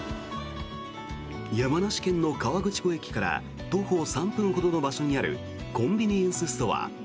山梨県の河口湖駅から徒歩３分ほどの場所にあるコンビニエンスストア。